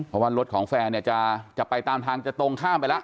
เพราะว่ารถของแฟนเนี่ยจะไปตามทางจะตรงข้ามไปแล้ว